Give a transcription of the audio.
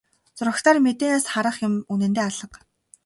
Зурагтаар мэдээнээс харах юм үнэндээ алга.